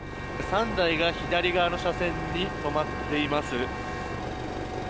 ３台が左側の車線に止まっています。